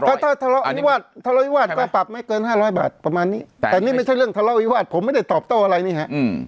ถ้าถ้าทะเลาะวิวาสทะเลาวิวาสก็ปรับไม่เกิน๕๐๐บาทประมาณนี้แต่นี่ไม่ใช่เรื่องทะเลาะวิวาสผมไม่ได้ตอบโต้อะไรนี่ฮะ